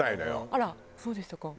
あらそうでしたか。